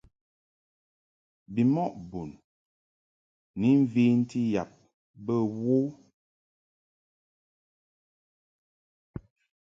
Bimɔʼ bun ni mventi yab bə wo.